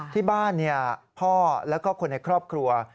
ที่บ้านพ่อแล้วก็คนในครอบครัว